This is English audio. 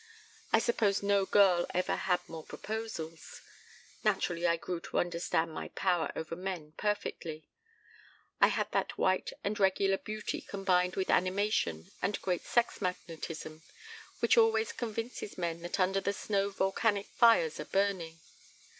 I suppose no girl ever had more proposals. Naturally I grew to understand my power over men perfectly. I had that white and regular beauty combined with animation and great sex magnetism which always convinces men that under the snow volcanic fires are burning.